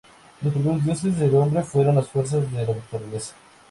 Los primeros dioses del hombre fueron las fuerzas de la naturaleza.